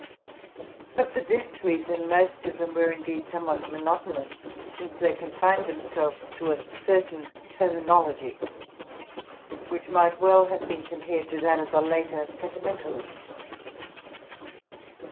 But for this reason most of them were indeed some what monotonous, since they confined themselves to a certain 282 TRUTH AND FICTION terminology which might well have been compared to that of the later sentimentalists.